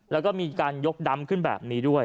แล้วก็มีการยกดำขึ้นแบบนี้ด้วย